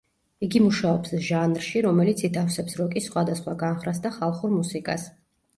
იგი მუშაობს ჟანრში, რომელიც ითავსებს როკის სხვადასხვა განხრას და ხალხურ მუსიკას.